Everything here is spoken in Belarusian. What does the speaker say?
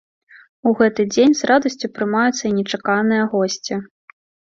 У гэты дзень з радасцю прымаюцца і нечаканыя госці.